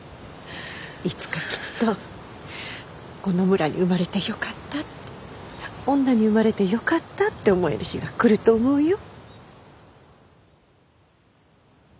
いつかきっとこの村に生まれてよかったって女に生まれてよかったって思える日が来ると思うよ。